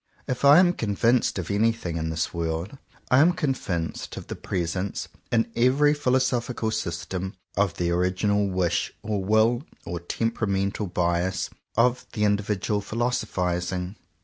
If I am convinced of anything in this world, I am convinced of the presence, in every philosophical system, of the original wish, or will, or temperamental bias, of the indi vidual philosophizing.